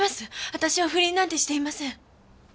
私は不倫なんてしていません！